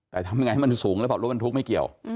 แต่ทำยังไงให้มันสูงแล้วบอกรถบรรทุกไม่เกี่ยว